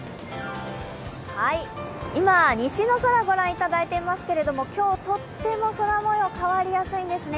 今、西の空ご覧いただいていますけど今日、とっても空もよう変わりやすいんですね。